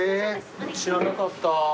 知らなかった。